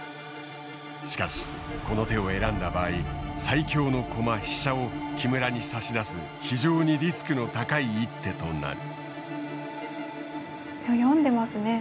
しかしこの手を選んだ場合最強の駒飛車を木村に差し出す非常にリスクの高い一手となる。